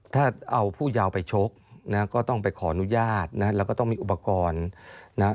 ถ้าเอาผู้ยาวไปชกนะก็ต้องไปขออนุญาตนะแล้วก็ต้องมีอุปกรณ์นะครับ